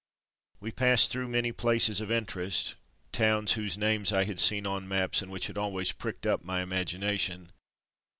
We passed through many places of interest; towns whose names I had seen on maps, and which had always pricked up my imagination.